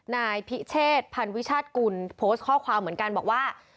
นายพิเชษพันวิชาติกุลโพสต์ข้อความเหมือนกันบอกว่า